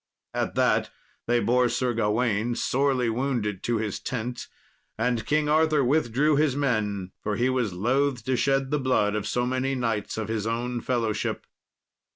At that they bore Sir Gawain sorely wounded to his tent, and King Arthur withdrew his men, for he was loth to shed the blood of so many knights of his own fellowship.